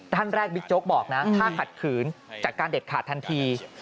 ท่านแรกบิ๊กโจ๊กบอกนะถ้าขัดขืนจากการเด็ดขาดทันที